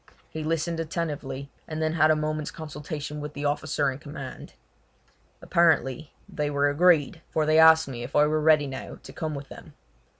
He listened attentively, and then had a moment's consultation with the officer in command. Apparently they were agreed, for they asked me if I were ready now to come with them.